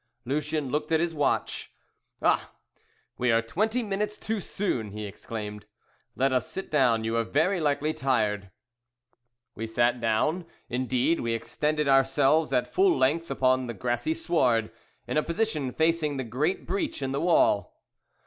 Lucien looked at his watch. "Ah! we are twenty minutes too soon," he exclaimed. "Let us sit down; you are very likely tired." We sat down; indeed, we extended ourselves at full length upon the grassy sward, in a position facing the great breach in the wall.